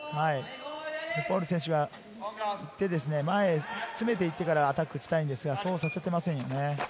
ルフォール選手は、前に詰めていってからアタックを打ちたいんですが、そうさせていません。